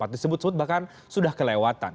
disebut sebut bahkan sudah kelewatan